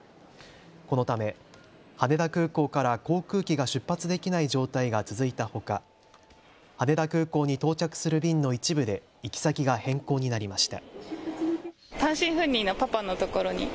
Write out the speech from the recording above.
このため羽田空港から航空機が出発できない状態が続いたほか羽田空港に到着する便の一部で行き先が変更になりました。